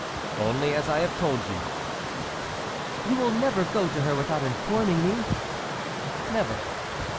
"Only as I have told you." "You will never go to her without informing me?" "Never."